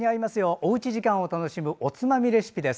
おうち時間を楽しむおつまみレシピです。